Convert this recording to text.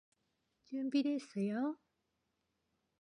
준비됐어요?